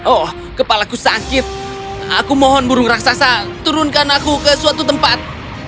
oh kepalaku sakit aku mohon burung raksasa turunkan aku ke suatu tempat